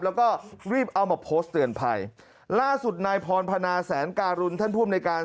แล้วก็รีบเอามาโพสต์เตือนภัยล่าสุดนายพรพนาแสนการุณท่านผู้อำนวยการ